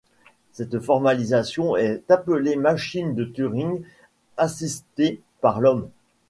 Cette formalisation est appelée machine de Turing assistée par l'homme.